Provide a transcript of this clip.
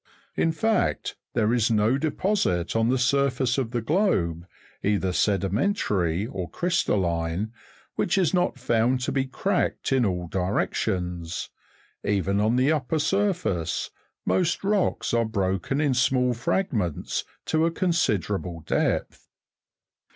In fact, there is no deposit on the surface of the globe, either sedimentary or crystalline, which is not found to be cracked in all directions ; even on the upper surface, most rocks are broken in small fragments, to a considerable depth.